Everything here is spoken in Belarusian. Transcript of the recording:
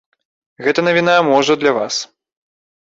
Гэта навіна, можа, для вас.